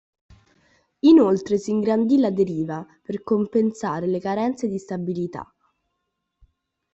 Inoltre si ingrandì la deriva, per compensare le carenze di stabilità.